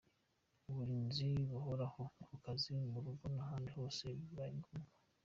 Uburinzi buhoraho ku kazi, mu rugo n’ahandi hose bibaye ngombwa;.